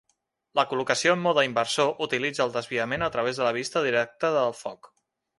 La col·locació en mode inversor utilitza el desviament a través de la vista directa del foc.